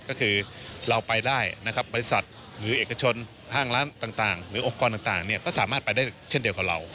ก็คือเราไปได้นะครับบริษัทหรือเอกชนห้างร้านต่างหรือองค์กรต่างก็สามารถไปได้เช่นเดียวกับเรา